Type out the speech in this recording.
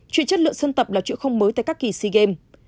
chuyện chất lượng sân tập là chuyện không mới tại các kỳ sea games